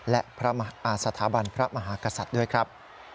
และสถาบันพระมหากษัตริย์ด้วยครับ